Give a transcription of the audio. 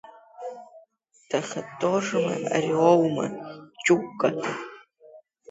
Тахатожна ариоума, Ҷука?